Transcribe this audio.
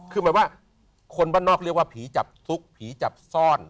คือหมายว่าคนบ้านนอกเรียกว่าผีจับทุกข์ผีจับซ่อน